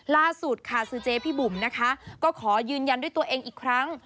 ล่าสุดค่ะซื้อเจ๊พี่บุ๋มนะคะก็ขอยืนยันด้วยตัวเองอีกครั้ง